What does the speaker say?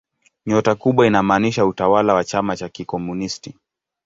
Nyota kubwa inamaanisha utawala wa chama cha kikomunisti.